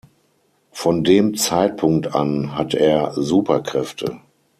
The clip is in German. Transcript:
Von dem Zeitpunkt an hat er Superkräfte.